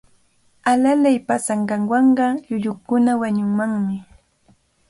Alalay paasanqanwanqa llullukuna wañunmanmi.